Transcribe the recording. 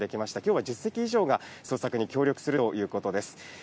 今日は１０隻以上が捜索に協力するということです。